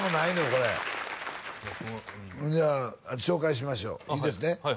これじゃあ紹介しましょういいですね？